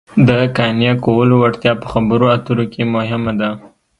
د قانع کولو وړتیا په خبرو اترو کې مهمه ده